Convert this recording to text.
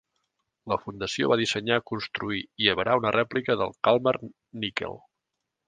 La fundació va dissenyar, construir i avarar una rèplica del "Kalmar Nyckel".